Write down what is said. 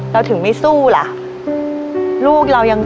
เราถึงไม่สู้ล่ะ